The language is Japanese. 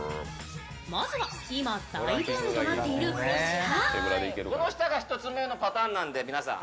まずは今、大ブームとなっているこちら。